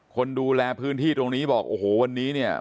คนดูแลพื้นที่ตรงนี้บอกโอ้โหวันนี้เนี่ย